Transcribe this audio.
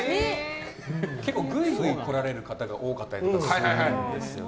結構、グイグイ来られる方が多かったりするんですよね。